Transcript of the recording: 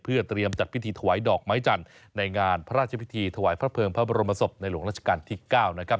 เพื่อเตรียมจัดพิธีถวายดอกไม้จันทร์ในงานพระราชพิธีถวายพระเภิงพระบรมศพในหลวงราชการที่๙นะครับ